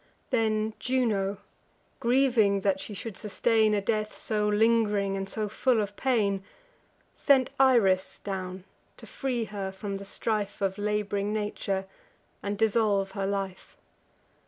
Then Juno, grieving that she should sustain A death so ling'ring, and so full of pain, Sent Iris down, to free her from the strife Of lab'ring nature, and dissolve her life.